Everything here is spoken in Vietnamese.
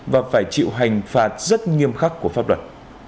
và phải chịu hành phạt rất nghiêm khắc của pháp luật